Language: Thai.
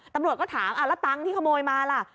ตำรวจก็ถามแล้วตังค์ที่ขโมยมาล่ะ